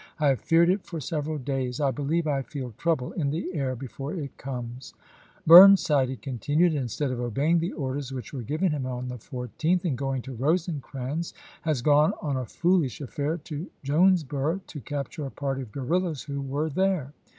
I have feared it for several days. I believe I feel trouble in the air before it comes." " Burn side," he continued, " instead of obeying the orders which were given him on the 14th, and going to Rosecrans, has gone on a foolish affair to Jones boro to capture a party of guerrillas who were there."